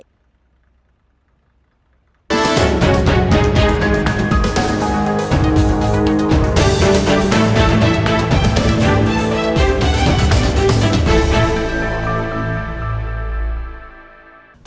thưa quý vị